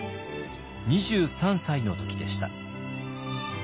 ２３歳の時でした。